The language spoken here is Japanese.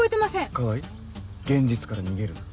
川合現実から逃げるな。